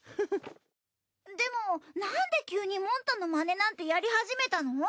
でもなんで急にもんたのマネなんてやり始めたの？